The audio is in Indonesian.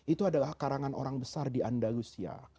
itu adalah karangan orang besar di andalusia